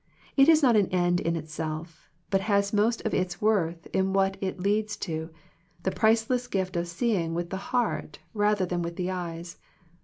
It is not an end in itself, but has most of its worth in what it leads to, the priceless gift of seeing with the heart rather than with the eyes.